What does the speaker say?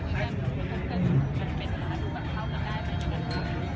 แม่กับผู้วิทยาลัย